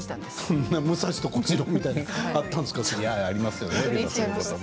そんな武蔵と小次郎みたいなのがあったんですか。